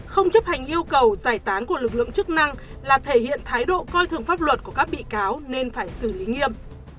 không chấp hành yêu cầu giải tán của lực lượng chức năng là thể hiện thái độ coi thường pháp luật của các bị cáo nên phải xử lý nghiêm